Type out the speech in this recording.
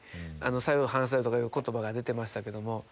作用反作用とかいう言葉が出てましたけども。